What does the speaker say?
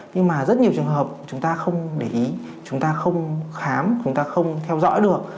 nhưng mà rất nhiều trường hợp chúng ta không để ý chúng ta không khám chúng ta không theo dõi được